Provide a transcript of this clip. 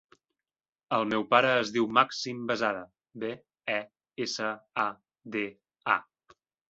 El meu pare es diu Màxim Besada: be, e, essa, a, de, a.